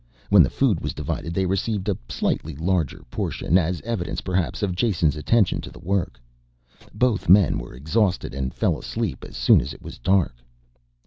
When the food was divided they received a slightly larger portion, as evidence perhaps of Jason's attention to the work. Both men were exhausted and fell asleep as soon as it was dark.